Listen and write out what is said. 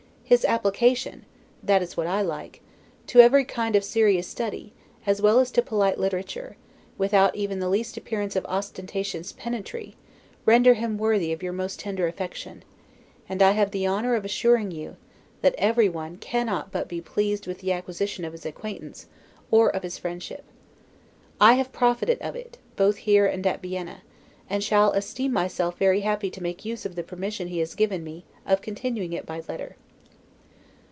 His application THAT IS WHAT I LIKE to every kind of serious study, as well as to polite literature, without even the least appearance of ostentatious pedantry, render him worthy of your most tender affection; and I have the honor of assuring you, that everyone cannot but be pleased with the acquisition of his acquaintance or of his friendship. I have profited of it, both here and at Vienna; and shall esteem myself very happy to make use of the permission he has given me of continuing it by letter."